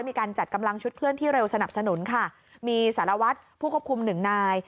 มีการจัดกำลังชุดเครื่องที่เร็วสนับสนุนค่ะมีศาลวัสดิ์ผู้คบคุม๑นาย